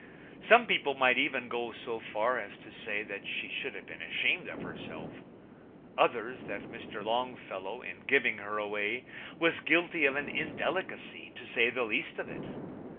Some people might even go so far as to say that she should have been ashamed of herself; others, that Mr. Longfellow, in giving her away, was guilty of an indelicacy, to say the least of it.